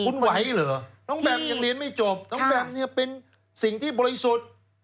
คุณไหวเหรอน้องแบมยังเรียนไม่จบน้องแบมเนี่ยเป็นสิ่งที่บริสุทธิ์